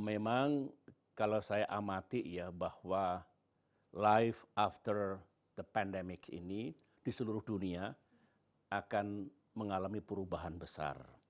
memang kalau saya amati ya bahwa life after the pandemic ini di seluruh dunia akan mengalami perubahan besar